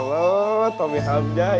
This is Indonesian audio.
subhanallah tommy hamzah